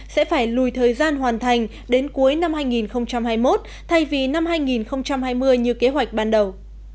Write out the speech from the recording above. sẽ phải lùi thời gian hoàn thành đến cuối năm hai nghìn hai mươi một thay vì năm hai nghìn hai mươi như kế hoạch ban đầu